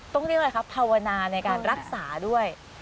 ต้องเรียกอะไรครับภาวนาในการรักษาด้วย